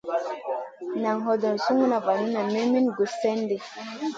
Naʼ hodon suguda vanu nen min guss slena.